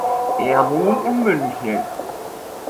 Er wohnt in München.